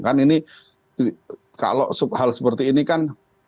kan ini kalau hal seperti ini kan